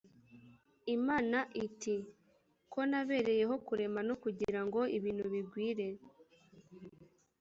imana iti:" ko nabereyeho kurema no kugirango ibintu bigwire,